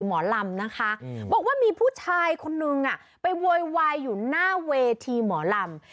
หมอลำนะคะบอกว่ามีผู้ชายคนนึงไปโวยวายอยู่หน้าเวทีหมอลำ